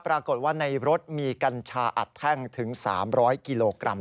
ปรากฏว่าในรถมีกัญชาอัดแท่งถึง๓๐๐กิโลกรัม